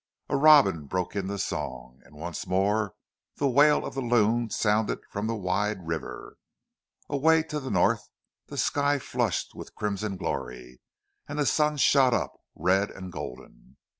A robin broke into song, and once more the wail of the loon sounded from the wide river. Away to the north the sky flushed with crimson glory, then the sun shot up red and golden.